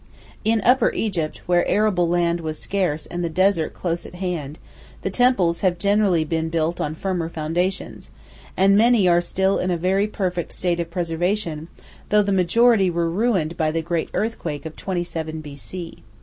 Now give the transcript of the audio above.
In Upper Egypt, where arable land was scarce and the desert close at hand, the temples have generally been built on firmer foundations, and many are still in a very perfect state of preservation, though the majority were ruined by the great earthquake of 27 B.C.